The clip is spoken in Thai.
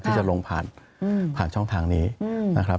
ที่จะลงผ่านผ่านช่องทางนี้นะครับ